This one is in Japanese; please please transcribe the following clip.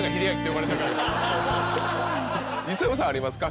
磯山さんありますか？